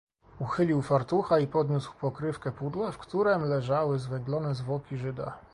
"Uchylił fartucha i podniósł pokrywkę pudła, w którem leżały zwęglone zwłoki żyda."